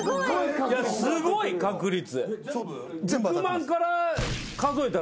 すごい確率。